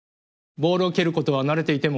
ボールを蹴ることは慣れていても。